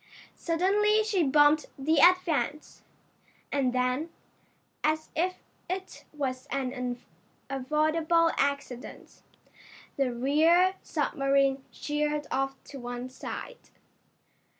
Suddenly she bumped the Advance, and then, as if it was an unavoidable accident, the rear submarine sheered off to one side.